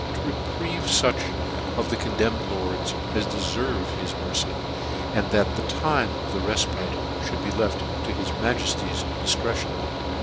To reprieve fuch " of the condemned lords as deferve his mercv ;<( and thar the time of the refpke mould be lefc * to his Majefly's difcrecion.''